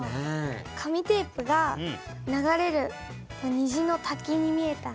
紙テープが流れる虹の滝に見えた。